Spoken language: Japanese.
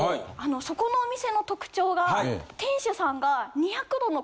そこのお店の特徴が店主さんが。